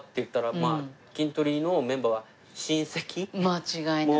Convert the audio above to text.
間違いない。